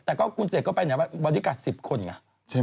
แต่หากที่คุณเศกจะไป